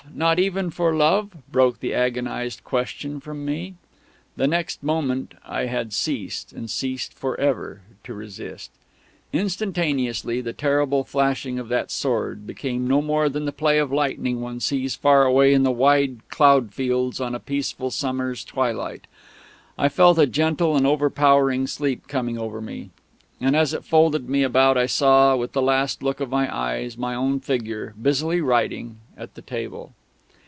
Not even for Love?_" broke the agonised question from me.... The next moment I had ceased, and ceased for ever, to resist. Instantaneously the terrible flashing of that sword became no more than the play of lightning one sees far away in the wide cloudfields on a peaceful summer's twilight. I felt a gentle and overpowering sleep coming over me; and as it folded me about I saw, with the last look of my eyes, my own figure, busily writing at the table.